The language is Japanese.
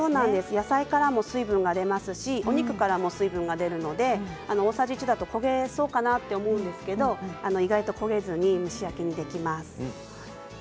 野菜からもお肉からも水分が出るので、大さじ１だと焦げそうかなと思いますけれども意外と焦げずに蒸し焼きにできます。